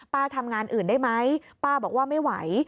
ทำงานอื่นได้ไหมป้าบอกว่าไม่ไหว